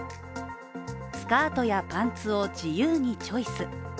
スカートやパンツを自由にチョイス。